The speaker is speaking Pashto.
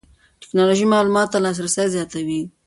ټکنالوژي معلوماتو ته لاسرسی زیاتوي.